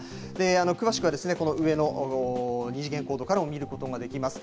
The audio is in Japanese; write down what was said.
詳しくはこの上の二次元コードからも見ることができます。